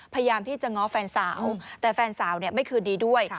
พยายามที่จะง้อแฟนสาวแต่แฟนสาวไม่คืนดีด้วย